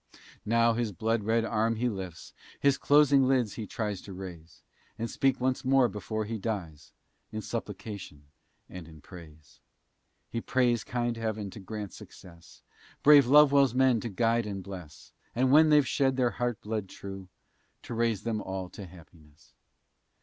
now his blood red arm he lifts, His closing lids he tries to raise; And speak once more before he dies, In supplication and in praise. He prays kind heaven to grant success, Brave Lovewell's men to guide and bless, And when they've shed their heart blood true, To raise them all to happiness.